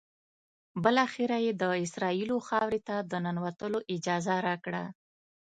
بالآخره یې د اسرائیلو خاورې ته د ننوتلو اجازه راکړه.